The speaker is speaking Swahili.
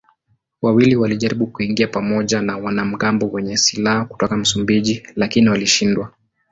Wawili walijaribu kuingia pamoja na wanamgambo wenye silaha kutoka Msumbiji lakini walishindwa.